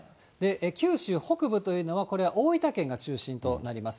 九州北部というのは、これは大分県が中心となります。